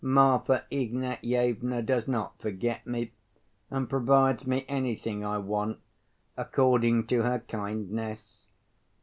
Marfa Ignatyevna does not forget me, and provides me anything I want, according to her kindness.